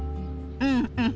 うんうん。